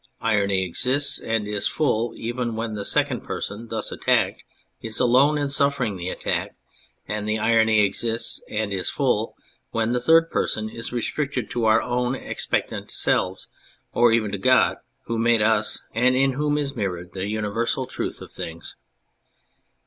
Irony exists and is full even when the second person thus attacked is alone in suffering the attack, and irony exists and is full when the third person is restricted to our own expectant selves or even to God who made us and in whom is mirrored the universal truth of things.